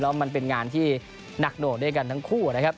แล้วมันเป็นงานที่หนักหน่วงด้วยกันทั้งคู่นะครับ